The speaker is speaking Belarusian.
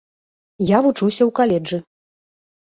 Я вучуся ў каледжы.